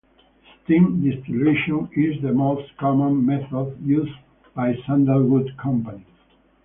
Steam distillation is the most common method used by sandalwood companies.